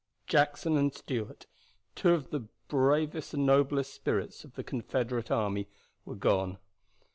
Jackson and Stuart, two of the bravest and noblest spirits of the Confederate army, were gone.